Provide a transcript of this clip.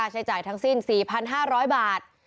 ใช้จ่ายทั้งสิ้น๔๕๐๐บาท